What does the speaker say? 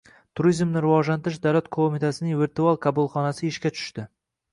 Turizmni rivojlantirish davlat qo‘mitasining virtual qabulxonasi ishga tushdi